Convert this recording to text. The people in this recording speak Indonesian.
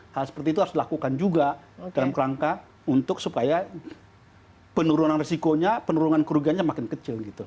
hal seperti itu harus dilakukan juga dalam kerangka untuk supaya penurunan risikonya penurunan kerugiannya makin kecil gitu